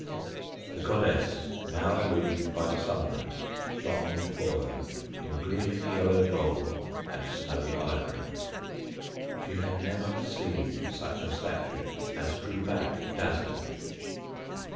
The goddess, now illumined by the sunlight, shone before her in gleaming yellow gold and snowy ivory. She had never seen such a statue, and drew back dazzled.